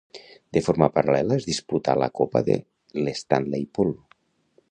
De forma paral·lela es disputà la Copa de l'Stanley Pool.